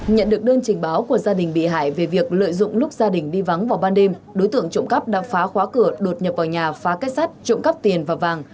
nhận được đơn trình báo của gia đình bị hại về việc lợi dụng lúc gia đình đi vắng vào ban đêm đối tượng trộm cắp đã phá khóa cửa đột nhập vào nhà phá kết sắt trộm cắp tiền và vàng